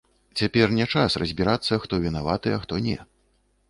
Цяпер не час разбірацца, хто вінаваты, а хто не.